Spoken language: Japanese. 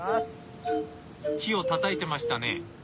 木をたたいてましたね？